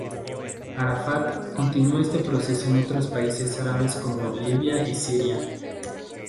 Arafat continuó este proceso en otros países árabes como Libia y Siria.